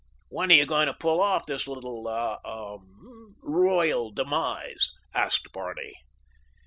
"When are you going to pull off this little—er—ah—royal demise?" asked Barney.